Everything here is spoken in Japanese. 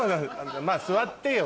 まぁ座ってよ。